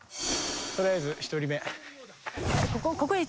取りあえず１人目。